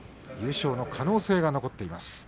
優勝の可能性が残っています。